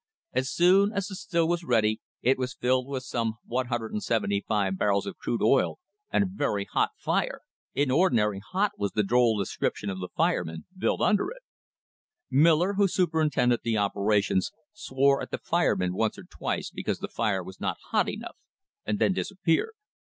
As soon as the still was ready it was filled with some 175 barrels of crude oil and a very hot fire "inordinary hot" was the droll descrip tion of the fireman built under it. Miller, who superintended the operations, swore at the fireman once or twice because the fire was not hot enough, and then disappeared.